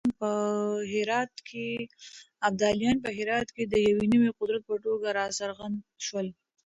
ابدالیان په هرات کې د يو نوي قدرت په توګه راڅرګند شول.